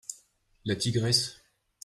La tigresse.